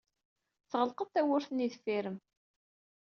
Tɣelqed tawwurt-nni deffir-m.